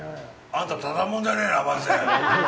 あんた、ただもんじゃねえな、マジで。